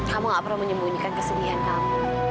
kamu gak perlu menyembunyikan kesedihan kamu